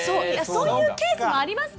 そういうケースもありますから。